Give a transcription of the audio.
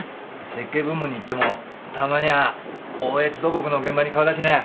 設計部門に行ってもたまには大悦土木の現場に顔出しな。